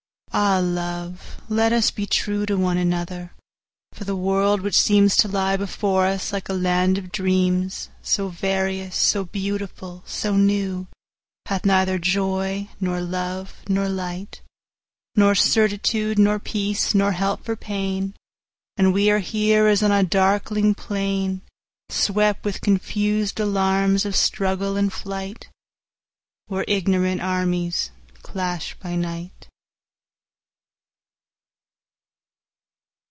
Ah, love, let us be trueTo one another! for the world, which seemsTo lie before us like a land of dreams, So various, so beautiful, so new, Hath really neither joy, nor love, nor light, Nor certitude, nor peace, nor help for pain; And we are here as on a darkling plainSwept with confus'd alarms of struggle and flight, Where ignorant armies clash by night.